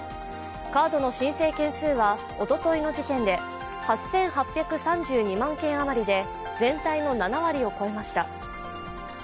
カードの申請件数はおとといの時点で８８３２万件余りで、全体の７割を超えました。